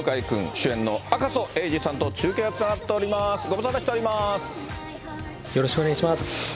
主演の赤楚衛二さんと中継がつながっております、ご無沙汰しておよろしくお願いします。